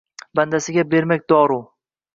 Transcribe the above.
Bandasiga bermak doru